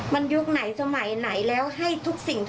คือไม่ห่วงไม่หาวแล้วไป